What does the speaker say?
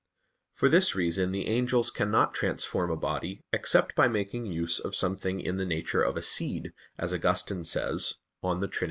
For this reason the angels cannot transform a body except by making use of something in the nature of a seed, as Augustine says (De Trin.